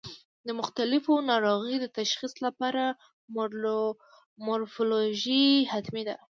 د مختلفو ناروغیو د تشخیص لپاره مورفولوژي حتمي ده.